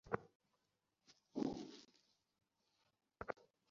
ভাই, সে বাসে আছে।